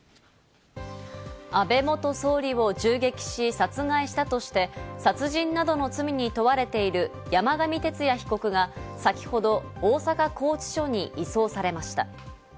安倍元総理を銃撃し殺害したとして、殺人などの罪に問われている山上徹也被告が先ほど大阪拘置所に移送されました。